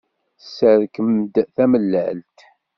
Tesserkem-d tamellalt.